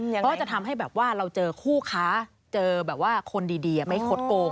ก็จะทำให้แบบว่าเราเจอคู่ค้าเจอแบบว่าคนดีไม่คดโกง